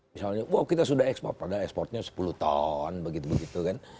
misalnya wah kita sudah ekspor padahal ekspornya sepuluh ton begitu begitu kan